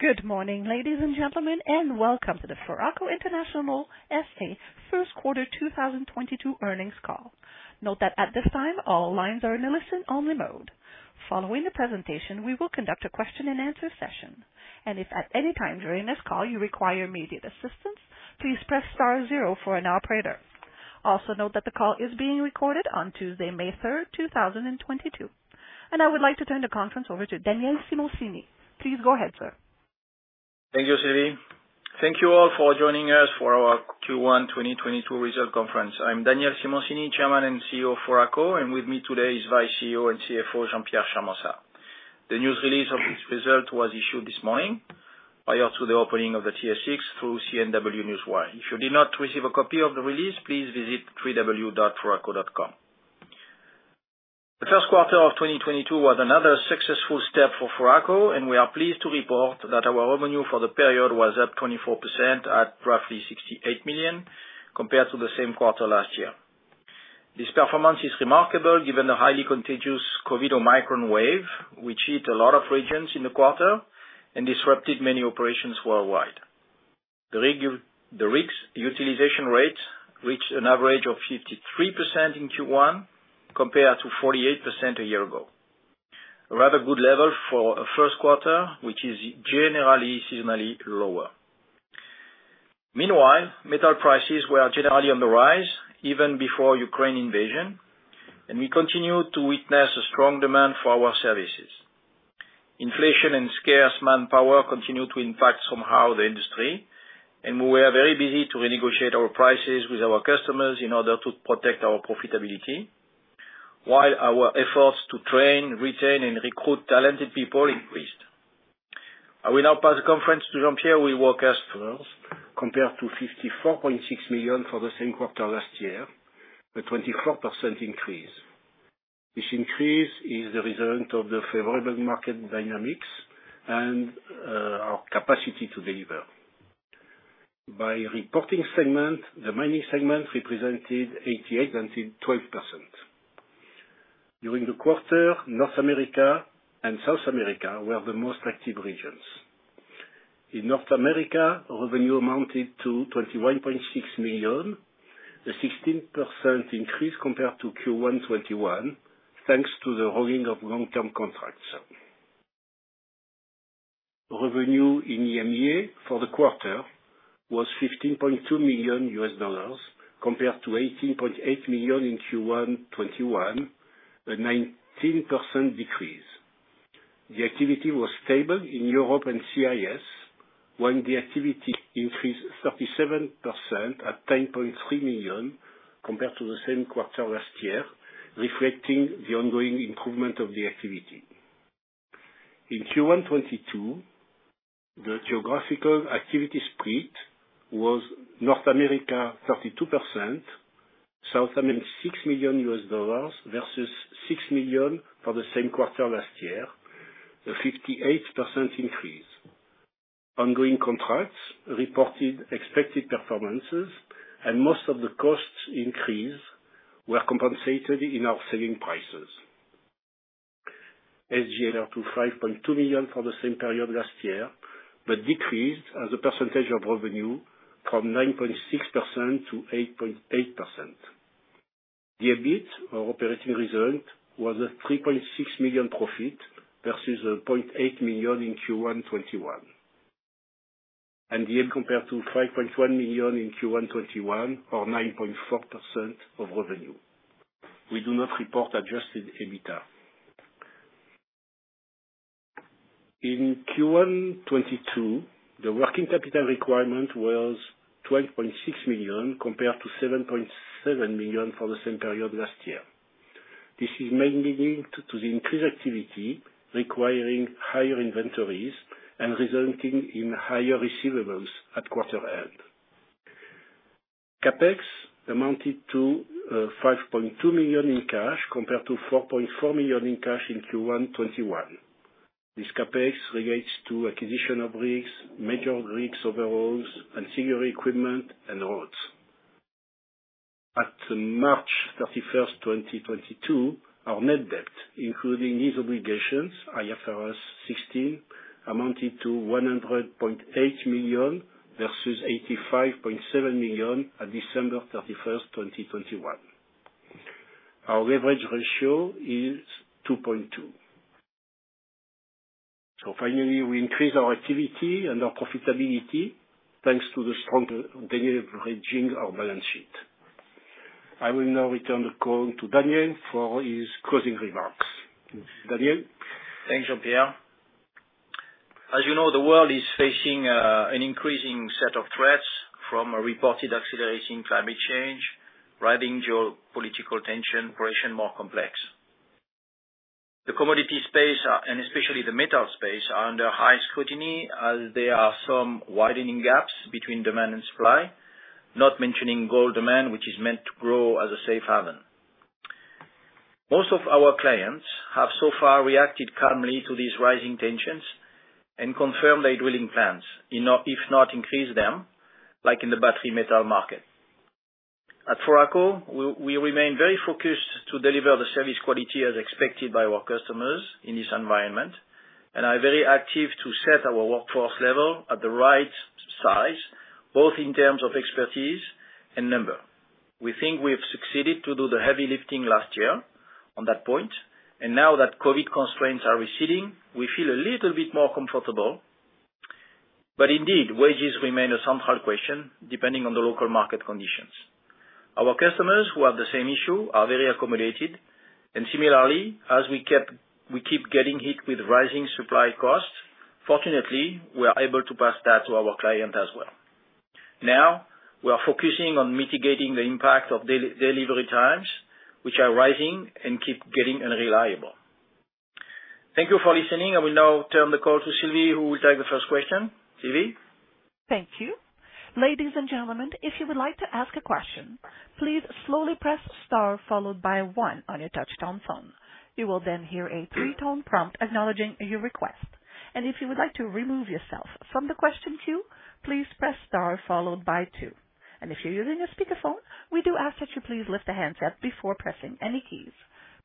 Good morning, ladies and gentlemen, and welcome to the Foraco International SA first quarter 2022 earnings call. Note that at this time, all lines are in a listen only mode. Following the presentation, we will conduct a question and answer session. If at any time during this call you require immediate assistance, please press star zero for an operator. Also note that the call is being recorded on Tuesday, May 3, 2022. I would like to turn the conference over to Daniel Simoncini. Please go ahead, sir. Thank you, Sylvie. Thank you all for joining us for our Q1 2022 results conference. I'm Daniel Simoncini, Chairman and CEO of Foraco, and with me today is Vice CEO and CFO, Jean-Pierre Charmensat. The news release of this result was issued this morning prior to the opening of the TSX through CNW Group. If you did not receive a copy of the release, please visit www.foraco.com. The first quarter of 2022 was another successful step for Foraco, and we are pleased to report that our revenue for the period was up 24% at roughly 68 million compared to the same quarter last year. This performance is remarkable given the highly contagious COVID Omicron wave, which hit a lot of regions in the quarter and disrupted many operations worldwide. The rigs utilization rate reached an average of 53% in Q1 compared to 48% a year ago. A rather good level for a first quarter, which is generally seasonally lower. Meanwhile, metal prices were generally on the rise even before Ukraine invasion, and we continue to witness a strong demand for our services. Inflation and scarce manpower continue to impact somehow the industry, and we are very busy to renegotiate our prices with our customers in order to protect our profitability, while our efforts to train, retain, and recruit talented people increased. I will now pass the conference to Jean-Pierre Charmensat. Revenue was 67.6 million compared to 54.6 million for the same quarter last year, a 24% increase. This increase is the result of the favorable market dynamics and our capacity to deliver. By reporting segment, the mining segment represented 88% and 12%. During the quarter, North America and South America were the most active regions. In North America, revenue amounted to 21.6 million, a 16% increase compared to Q1 2021, thanks to the holding of long-term contracts. Revenue in EMEA for the quarter was $15.2 million compared to $18.8 million in Q1 2021, a 19% decrease. The activity was stable in Europe and CIS, while the activity increased 37% at 10.3 million compared to the same quarter last year, reflecting the ongoing improvement of the activity. In Q1 2022, the geographical activity split was North America 32%, South America $6 million versus $6 million for the same quarter last year, a 58% increase. Ongoing contracts reported expected performances and most of the cost increases were compensated in our selling prices. SG&A to 5.2 million for the same period last year, but decreased as a percentage of revenue from 9.6% to 8.8%. The EBIT, our operating result, was a 3.6 million profit versus a 0.8 million in Q1 2021. EBITDA compared to 5.1 million in Q1 2021 or 9.4% of revenue. We do not report adjusted EBITDA. In Q1 2022, the working capital requirement was 12.6 million compared to 7.7 million for the same period last year. This is mainly linked to the increased activity requiring higher inventories and resulting in higher receivables at quarter end. CapEx amounted to 5.2 million in cash compared to 4.4 million in cash in Q1 2021. This CapEx relates to acquisition of rigs, major rigs overhauls, ancillary equipment, and roads. At March 31, 2022, our net debt, including lease obligations, IFRS 16, amounted to 100.8 million versus 85.7 million at December 31, 2021. Our leverage ratio is 2.2. Finally, we increase our activity and our profitability thanks to the strong deleveraging our balance sheet. I will now return the call to Daniel for his closing remarks. Daniel? Thanks, Jean-Pierre. As you know, the world is facing an increasing set of threats from a reported accelerating climate change, rising geopolitical tension, growing more complex. The commodity space, and especially the metal space, are under high scrutiny as there are some widening gaps between demand and supply, not mentioning gold demand, which is meant to grow as a safe haven. Most of our clients have so far reacted calmly to these rising tensions and confirmed their drilling plans, you know, if not increased them, like in the battery metal market. At Foraco, we remain very focused to deliver the service quality as expected by our customers in this environment, and are very active to set our workforce level at the right size, both in terms of expertise and number. We think we have succeeded to do the heavy lifting last year on that point. Now that COVID constraints are receding, we feel a little bit more comfortable. Indeed, wages remain a central question, depending on the local market conditions. Our customers who have the same issue are very accommodated. Similarly, we keep getting hit with rising supply costs. Fortunately, we are able to pass that to our client as well. Now, we are focusing on mitigating the impact of delivery times, which are rising and keep getting unreliable. Thank you for listening. I will now turn the call to Sylvie, who will take the first question. Sylvie? Thank you. Ladies and gentlemen, if you would like to ask a question, please slowly press star followed by one on your touchtone phone. You will then hear a three-tone prompt acknowledging your request. If you would like to remove yourself from the question queue, please press star followed by two. If you're using a speakerphone, we do ask that you please lift the handset before pressing any keys.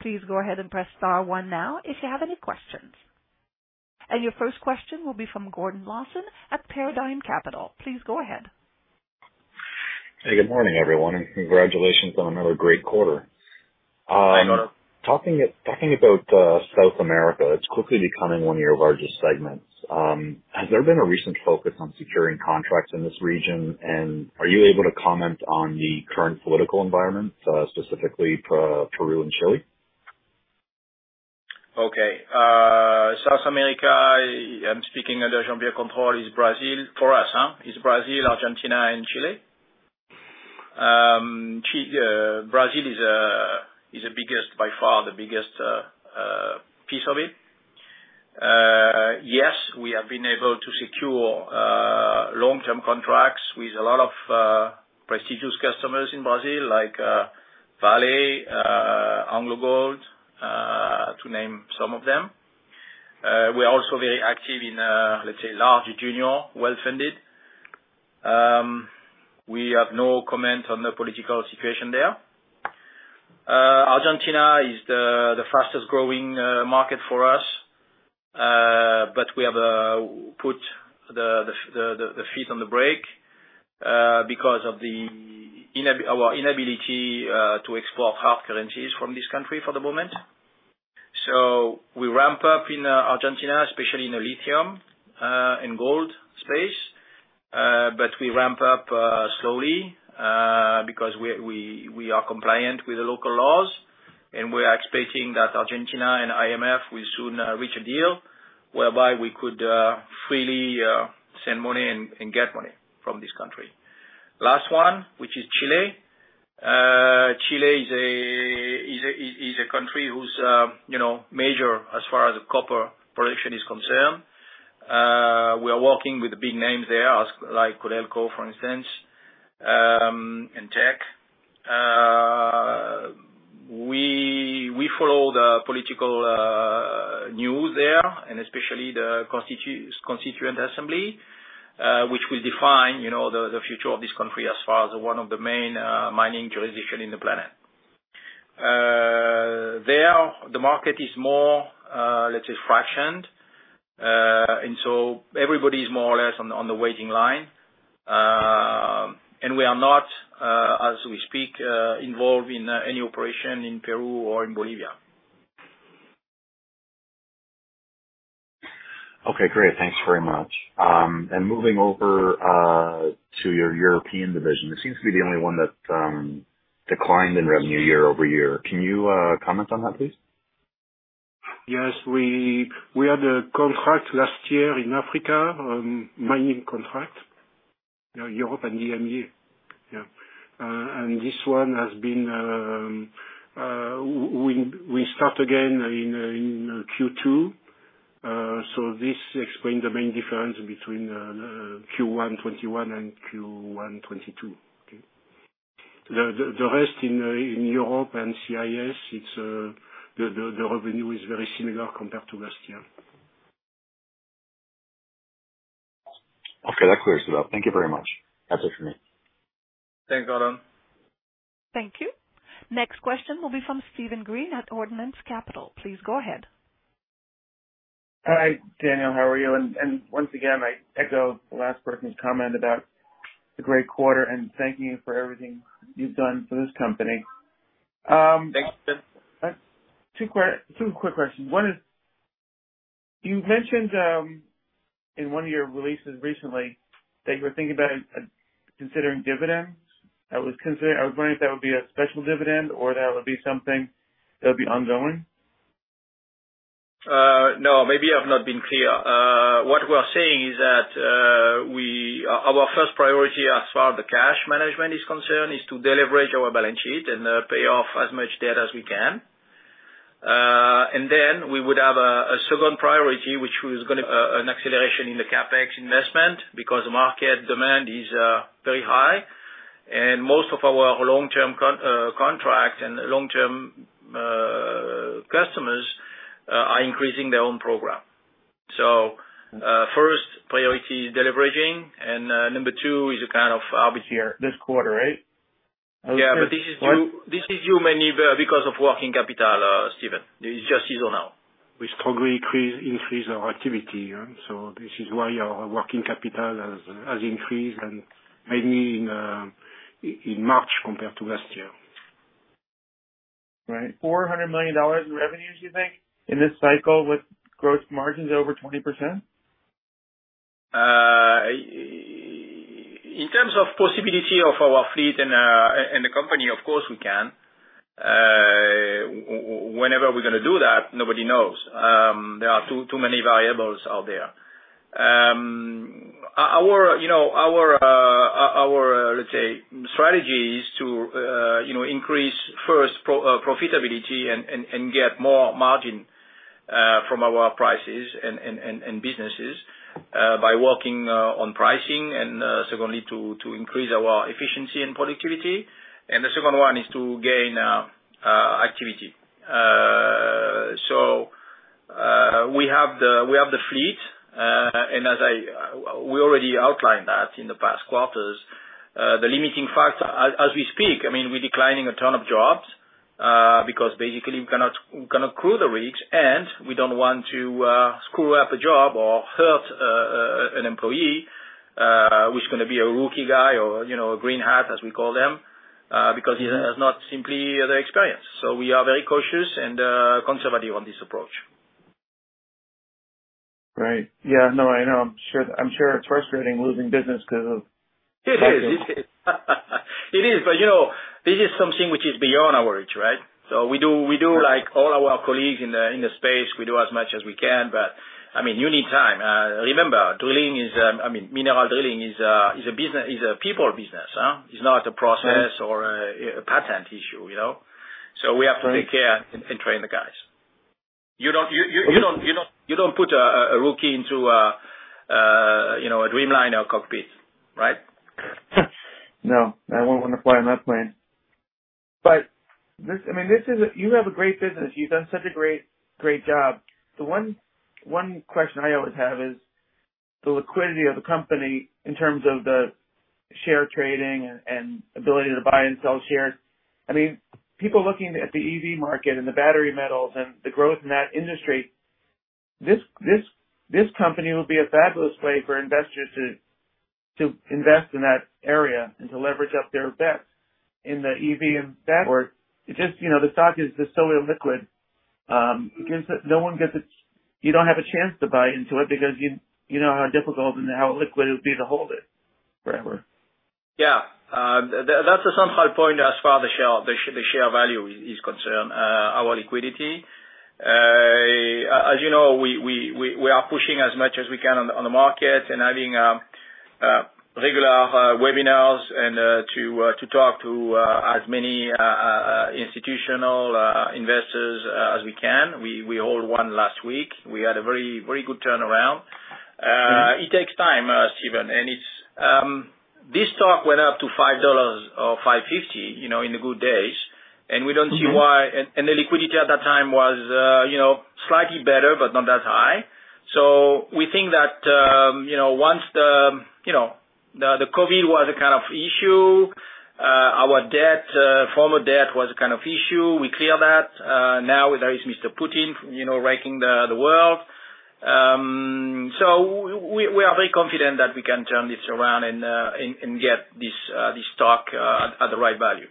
Please go ahead and press star one now if you have any questions. Your first question will be from Gordon Lawson at Paradigm Capital. Please go ahead. Hey, good morning, everyone. Congratulations on another great quarter. Hi, Gordon. Talking about South America, it's quickly becoming one of your largest segments. Has there been a recent focus on securing contracts in this region? Are you able to comment on the current political environment, specifically for Peru and Chile? Okay. South America, I am speaking under Homburg control is Brazil for us. Brazil, Argentina and Chile. Brazil is the biggest by far, the biggest piece of it. Yes, we have been able to secure long-term contracts with a lot of prestigious customers in Brazil, like Vale, AngloGold, to name some of them. We're also very active in, let's say, large junior well-funded. We have no comment on the political situation there. Argentina is the fastest growing market for us. We have put the feet on the brake because of our inability to export hard currencies from this country for the moment. We ramp up in Argentina, especially in the lithium and gold space. We ramp up slowly because we are compliant with the local laws, and we're expecting that Argentina and IMF will soon reach a deal whereby we could freely send money and get money from this country. Last one, which is Chile. Chile is a country whose you know major as far as copper production is concerned. We are working with the big names there as like Codelco, for instance, and Teck. We follow the political news there, and especially the constituent assembly, which will define you know the future of this country as far as one of the main mining jurisdiction in the planet. There, the market is more let's say fragmented. Everybody is more or less on the waiting line. We are not, as we speak, involved in any operation in Peru or in Bolivia. Okay, great. Thanks very much. Moving over to your European division, it seems to be the only one that declined in revenue year-over-year. Can you comment on that, please? Yes. We had a contract last year in Africa, mining contract. You know, Europe and EMEA. Yeah. This one has been, we start again in Q2, so this explain the main difference between Q1 2021 and Q1 2022. Okay. The rest in Europe and CIS, it's the revenue is very similar compared to last year. Okay. That clears it up. Thank you very much. That's it for me. Thanks, Gordon. Thank you. Next question will be fromal. Please go ahead. Hi, Daniel. How are you? I echo the last person's comment about the great quarter and thank you for everything you've done for this company. Thanks, Steven. Two quick questions. One is, you mentioned in one of your releases recently that you were thinking about considering dividends. I was wondering if that would be a special dividend or that would be something that would be ongoing. No. Maybe I've not been clear. What we are saying is that our first priority as far as the cash management is concerned is to deleverage our balance sheet and pay off as much debt as we can. We would have a second priority, which was gonna an acceleration in the CapEx investment because the market demand is very high. Most of our long-term contract and long-term customers are increasing their own program. First priority is deleveraging, and number two is a kind of. This year, this quarter, right? Yeah, this is you. What? This is due mainly because of working capital, Steven. It's just seasonal. We strongly increase our activity, yeah? This is why our working capital has increased, and mainly in March compared to last year. Right. $400 million in revenues, you think, in this cycle with gross margins over 20%? In terms of possibility of our fleet and the company, of course, we can. Whenever we're gonna do that, nobody knows. There are too many variables out there. Our you know our let's say strategy is to you know increase first profitability and get more margin from our prices and businesses by working on pricing and secondly to increase our efficiency and productivity. The second one is to gain activity. We have the fleet and we already outlined that in the past quarters. The limiting factor as we speak, I mean, we're declining a ton of jobs, because basically we cannot crew the rigs, and we don't want to screw up a job or hurt an employee, which is gonna be a rookie guy or, you know, a green hat, as we call them, because he has not simply the experience. We are very cautious and conservative on this approach. Right. Yeah. No, I know. I'm sure it's frustrating losing business because of. It is. You know, this is something which is beyond our reach, right? We do, like all our colleagues in the space, as much as we can. I mean, you need time. Remember, I mean, mineral drilling is a business, a people business. It's not a process. Yeah. a patent issue, you know. Right. to take care and train the guys. You don't put a rookie into, you know, a Dreamliner cockpit, right? No. I wouldn't wanna fly in that plane. You have a great business. You've done such a great job. The one question I always have is the liquidity of the company in terms of the share trading and ability to buy and sell shares. I mean, people looking at the EV market and the battery metals and the growth in that industry, this company would be a fabulous way for investors to invest in that area and to leverage up their bets in the EV and battery. It just, you know, the stock is just so illiquid, because you don't have a chance to buy into it because you know how difficult and how illiquid it would be to hold it forever. Yeah. That's a sore point as far as the share value is concerned, our liquidity. As you know, we are pushing as much as we can on the market and having regular webinars to talk to as many institutional investors as we can. We held one last week. We had a very good turnaround. It takes time, Steven. This stock went up to $5 or $5.50, you know, in the good days, and we don't see why. The liquidity at that time was, you know, slightly better, but not that high. We think that, you know, once the COVID was a kind of issue, our former debt was a kind of issue, we cleared that. Now there is Mr. Putin, you know, wrecking the world. We are very confident that we can turn this around and get this stock at the right value.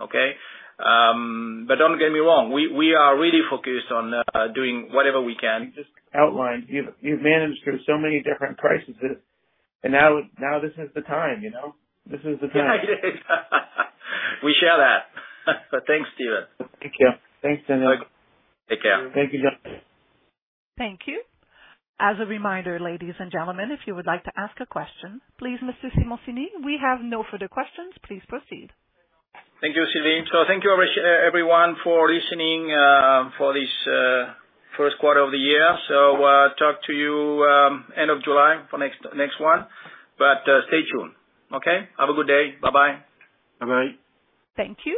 Okay. Don't get me wrong, we are really focused on doing whatever we can. You just outlined. You've managed through so many different crises, and now this is the time, you know? This is the time. We share that. Thanks, Steven. Thank you. Thanks, Denis. Take care. Thank you. Thank you. As a reminder, ladies and gentlemen, if you would like to ask a question, please. Mr. Simoncini, we have no further questions. Please proceed. Thank you, Celine. Thank you, everyone for listening, for this first quarter of the year. Talk to you end of July for next one, but stay tuned. Okay. Have a good day. Bye-bye. Bye-bye. Thank you.